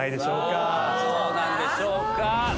さぁどうなんでしょうか？